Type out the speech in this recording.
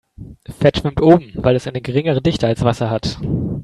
Fett schwimmt oben, weil es eine geringere Dichte als Wasser hat.